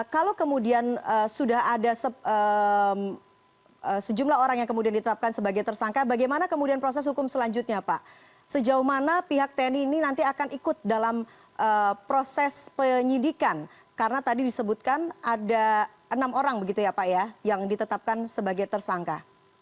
kalau kemudian sudah ada sejumlah orang yang kemudian ditetapkan sebagai tersangka bagaimana kemudian proses hukum selanjutnya pak sejauh mana pihak tni ini nanti akan ikut dalam proses penyidikan karena tadi disebutkan ada enam orang begitu ya pak ya yang ditetapkan sebagai tersangka